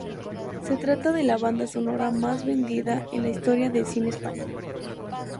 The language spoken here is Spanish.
Se trata de la banda sonora más vendida en la historia del cine español.